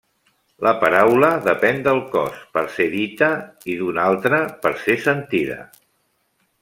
La paraula depèn del cos per ser dita i d'un altre per ser sentida.